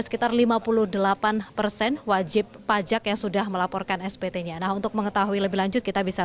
sekitar lima puluh delapan persen wajib pajak yang sudah melaporkan spt nya nah untuk mengetahui lebih lanjut kita bisa